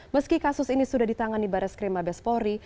meski kasus ini sudah ditangan di baris krim abespori